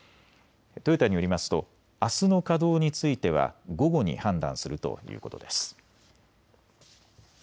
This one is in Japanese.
トヨタによりますとあすの稼働については午後に判断するということです。